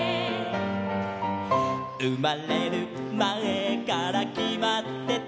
「うまれるまえからきまってた」